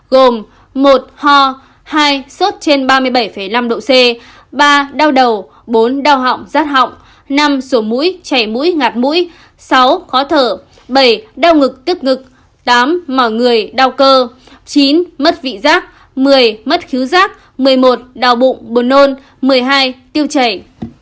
gồm một ho hai sốt trên ba mươi bảy năm độ c ba đau đầu bốn đau họng rát họng năm sổ mũi chảy mũi ngạt mũi sáu khó thở bảy đau ngực tức ngực tám mở người đau cơ chín mất vị rác một mươi mất khíu rác một mươi một đau bụng bồn nôn một mươi hai tiêu chảy